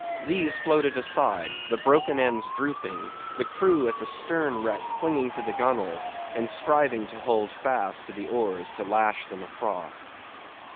These floated aside, the broken ends drooping, the crew at the stern wreck clinging to the gunwales, and striving to hold fast to the oars to lash them across.